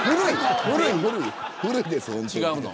古いです、本当に。